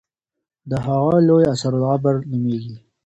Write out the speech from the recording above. د هغه لوی اثر العبر نومېږي.